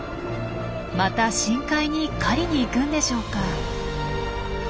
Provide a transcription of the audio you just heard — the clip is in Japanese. また深海に狩りに行くんでしょうか。